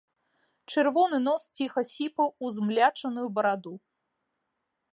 Чырвоны нос ціха сіпаў у злямчаную бараду.